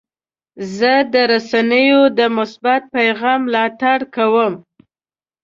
زه د رسنیو د مثبت پیغام ملاتړ کوم.